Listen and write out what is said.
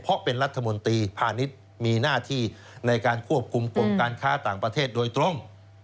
เพราะเป็นรัฐมนตรีพาณิชย์มีหน้าที่ในการควบคุมกรมการค้าต่างประเทศโดยตรง